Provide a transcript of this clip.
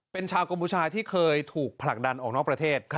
เป็นชาวกัมพูชาที่เคยถูกผลักดันออกนอกประเทศ